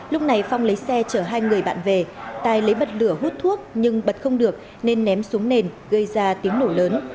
lúc này phong lấy xe chở hai người bạn về tài lấy bật lửa hút thuốc nhưng bật không được nên ném xuống nền gây ra tiếng nổ lớn